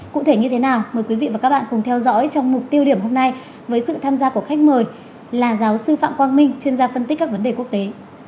cụ thể như thế nào mời quý vị và các bạn cùng theo dõi trong mục tiêu điểm hôm nay với sự tham gia của khách mời là giáo sư phạm quang minh chuyên gia phân tích các vấn đề quốc tế